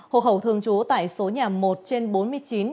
hộ khẩu thường trú tại số nhà một trên bốn mươi chín